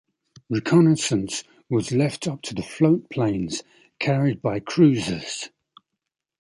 Reconnaissance was left up to float planes carried by cruisers.